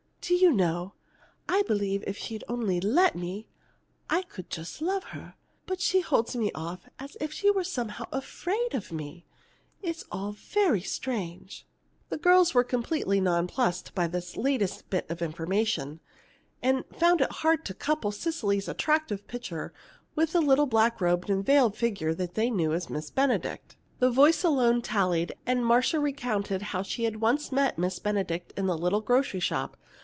Do you know, I believe if she'd only let me, I could just love her, but she holds me off as if she were somehow afraid of me. It's all very strange." The girls were completely nonplussed by this latest bit of information, and found it hard to couple Cecily's attractive picture with the little black robed and veiled figure that they knew as Miss Benedict. The voice alone tallied, and Marcia recounted how she had once met Miss Benedict in the little grocery shop.